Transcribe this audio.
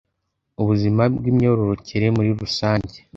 ubuzima bw'imyororokere muri rusange